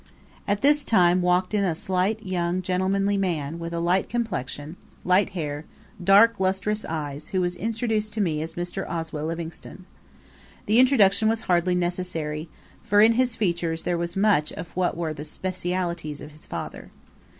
At this time in walked a slight, young, gentlemanly man, with light complexion, light hair, dark, lustrous eyes, who was introduced to me as Mr. Oswell Livingstone. The introduction was hardly necessary, for in his features there was much of what were the specialities of his father.